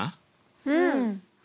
うん！